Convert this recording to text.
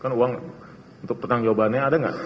kan uang untuk pertanyaan jawabannya ada gak